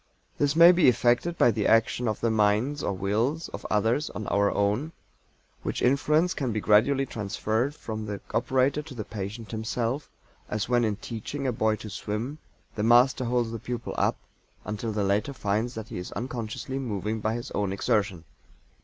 This may be effected by the action of the minds or wills of others on our own, which influence can be gradually transferred from the operator to the patient himself, as when in teaching a boy to swim the master holds the pupil up until the latter finds that he is unconsciously moving by his own exertion.